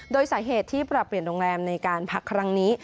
โดยสาเหตุที่ปรับเปลี่ยนโรงแรมในการพักครั้งนี้